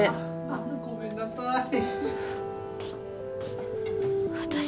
あっごめんなさい。